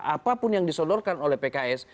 apapun yang disodorkan oleh pks